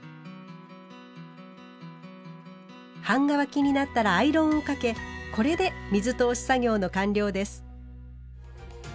半乾きになったらアイロンをかけこれで水通し作業の完了です。